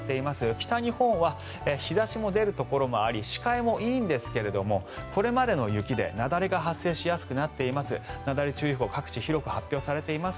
北日本は日差しも出るところもあり視界もいいんですがこれまでの雪で、雪崩が発生しやすくなっています。